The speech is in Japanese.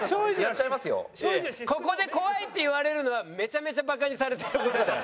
ここで「怖い」って言われるのはめちゃめちゃバカにされてるって事だから。